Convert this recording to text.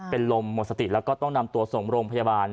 เป็นลมหมดสติแล้วก็ต้องนำตัวส่งโรงพยาบาล